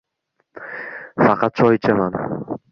faqat choy ichaman